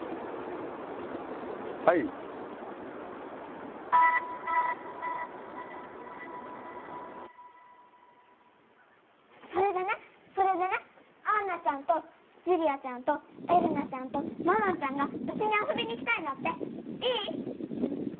はいそれでねそれでねアンナちゃんとジュリアちゃんとエレナちゃんとマノンちゃんがうちに遊びに来たいんだっていい？